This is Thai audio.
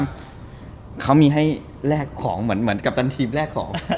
เขามีให้แลกของเหมือนกัปตันทีมแรกของ